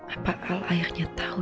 apa alairnya tahu